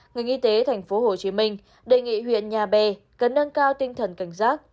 ngành y tế tp hcm đề nghị huyện nhà bè cần nâng cao tinh thần cảnh giác